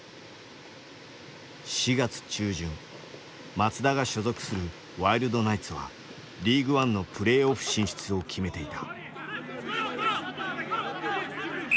松田が所属するワイルドナイツはリーグワンのプレーオフ進出を決めていた。